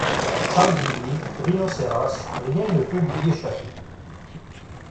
Sangliers, rhinocéros, rien ne peut lui échapper.